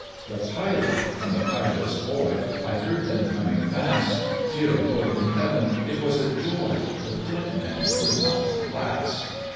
The Pilot, and the Pilot's boy, I heard them coming fast: Dear Lord in Heaven! it was a joy The dead men could not blast.